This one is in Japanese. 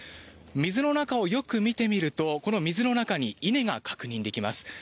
水の中をよく見てみるとこの水の中に稲が確認できます。